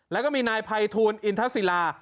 แล้วก็มีนายภัยทูลอินทศิลา